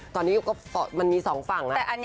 ตอนนี้มันมี๒ฝั่งนะ